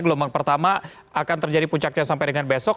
gelombang pertama akan terjadi puncaknya sampai dengan besok